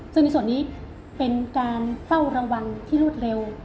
ซึ่งในส่วนนี้เป็นการเฝ้าระวังที่รวดเร็ว